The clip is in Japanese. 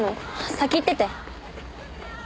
先行ってて。